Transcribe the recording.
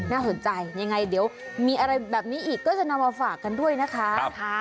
น่าสนใจยังไงเดี๋ยวมีอะไรแบบนี้อีกก็จะนำมาฝากกันด้วยนะคะ